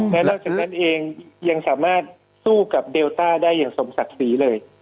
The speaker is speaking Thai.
และนอกจากนั้นเองยังสามารถสู้กับเดลต้าได้อย่างสมศักดิ์ศรีเลย